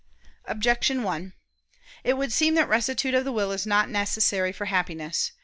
Objection 1: It would seem that rectitude of the will is not necessary for Happiness.